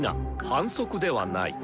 反則ではない！